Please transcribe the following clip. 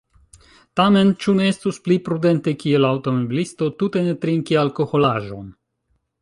Tamen, ĉu ne estus pli prudente kiel aŭtomobilisto tute ne trinki alkoholaĵon?